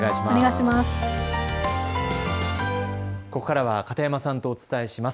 ここからは片山さんとお伝えします。